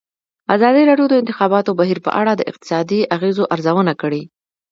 ازادي راډیو د د انتخاباتو بهیر په اړه د اقتصادي اغېزو ارزونه کړې.